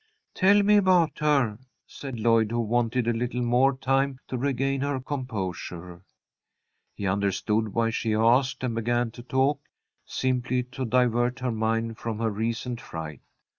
"Tell me about her," said Lloyd, who wanted a little more time to regain her composure. He understood why she asked, and began to talk, simply to divert her mind from her recent fright.